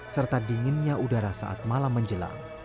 serta dinginnya udara saat malam menjelang